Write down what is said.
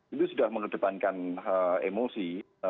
itu sudah menedepankan emosi